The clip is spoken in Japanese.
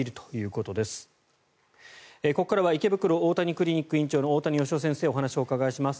ここからは池袋大谷クリニック院長の大谷義夫先生にお話をお伺いします。